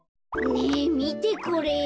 ねえみてこれ。